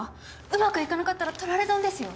うまくいかなかったら取られ損ですよ